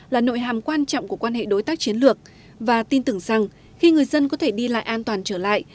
là nội hàm quan trọng của quan hệ đối tác chiến lược và tin tưởng rằng khi người dân có thể đi lại an toàn trở lại